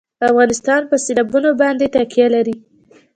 افغانستان په سیلابونه باندې تکیه لري.